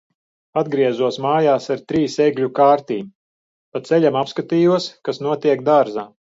Atgriezos mājās ar trīs egļu kārtīm. Pa ceļam apskatījos, kas notiek dārzā.